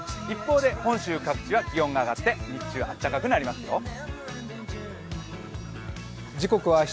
一方で本州各地は気温が上がってあったかくなりますよ。